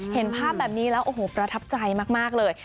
เห็นภาพแบบนี้แล้วโอ้โหประทับใจมากเลย